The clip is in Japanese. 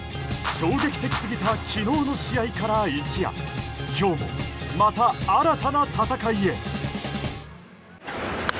衝撃的すぎた昨日の試合から一夜今日も、また新たな戦いへ。